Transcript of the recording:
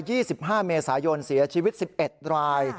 ใช่๒๕เมษายนเสียชีวิต๑๑ราย